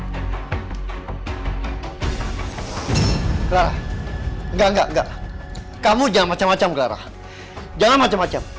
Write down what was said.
clara kamu jangan macam macam clara jangan macam macam